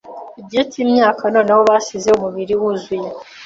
igihe cyimyaka Noneho basize umubiri wuzuye